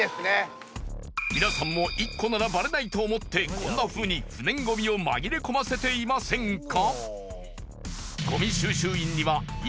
皆さんも１個ならバレないと思ってこんなふうに不燃ごみを紛れ込ませていませんか？